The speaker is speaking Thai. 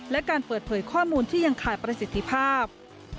และการเปิดเผยข้อมูลที่ยังขาดประสิทธิภาพ